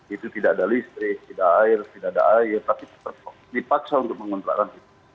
itu tidak ada listrik tidak air tidak ada air tapi dipaksa untuk mengontrakkan